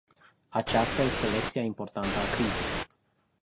Aceasta este lecția importantă a crizei.